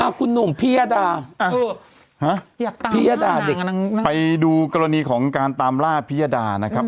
อ้าวคุณหนุ่มพิยาดาไปดูกรณีของการตามล่าพิยาดานะครับ